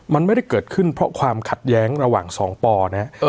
มันไม่ได้เกิดขึ้นเพราะความขัดแย้งระหว่างสองปอนะฮะ